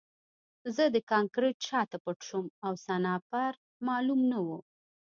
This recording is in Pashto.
زه د کانکریټ شاته پټ شوم او سنایپر معلوم نه و